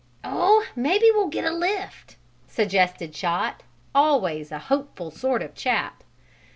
"Oh, maybe we'll get a lift," suggested Chot, always a hopeful sort of chap.